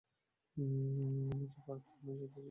আমি কি পারতুম না যেতে যদি শরীর থাকত।